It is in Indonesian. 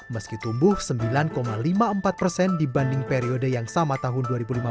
meski tumbuh sembilan lima puluh empat persen dibanding periode yang sama tahun dua ribu lima belas